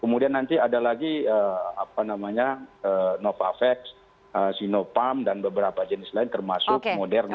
kemudian nanti ada lagi apa namanya novavax sinopam dan beberapa jenis lain termasuk moderna